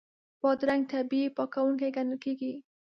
بادرنګ طبیعي پاکوونکی ګڼل کېږي.